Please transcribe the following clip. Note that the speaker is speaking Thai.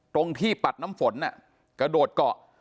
ตรงที่ปัดน้ำฝนกระโดดเกาะ